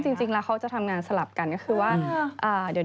ทางศาสุอาทัยทางพทธาภาคคล๒๐๒๐ก็ประสานการณ์กับ